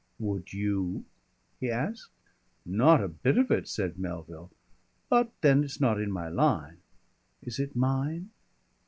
"Would you?" he asked. "Not a bit of it," said Melville. "But then it's not my line." "Is it mine?"